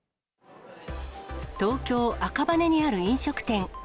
東京・赤羽にある飲食店。